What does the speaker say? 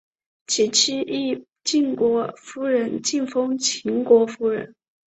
其妻亦由晋国夫人进封秦国夫人。